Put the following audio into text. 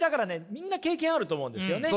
みんな経験あると思うんですよね。